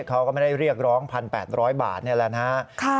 เขาก็ไม่ได้เรียกร้อง๑๘๐๐บาทนี่แหละนะฮะ